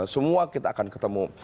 semua kita akan ketemu